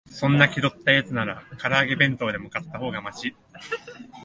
そんな気取ったやつなら、から揚げ弁当でも買ったほうがマシ